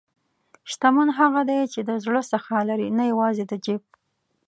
شتمن هغه دی چې د زړه سخا لري، نه یوازې د جیب.